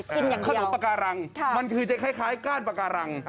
ขนมปากการังมันคือจะคล้ายก้านปาการัง